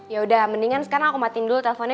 yaudah mendingan sekarang aku matiin dulu teleponnya